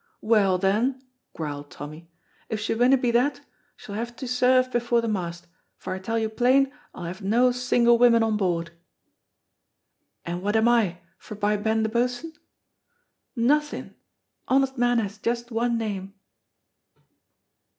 "Well, then," growled Tommy, "if she winna be that, she'll have to serve before the mast, for I tell you plain I'll have no single women on board." "And what am I, forby Ben the Boatswain?" "Nothing. Honest men has just one name."